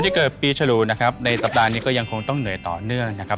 ที่เกิดปีฉลูนะครับในสัปดาห์นี้ก็ยังคงต้องเหนื่อยต่อเนื่องนะครับ